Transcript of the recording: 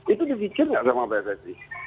itu dipikir nggak sama pssi